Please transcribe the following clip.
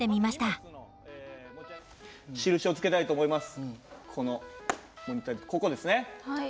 ここにも印をつけたいと思います。